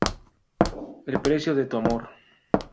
El Precio de tu Amor.